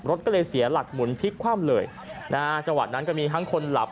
รถก็เลยเสียหลักหมุนพลิกคว่ำเลยนะฮะจังหวะนั้นก็มีทั้งคนหลับ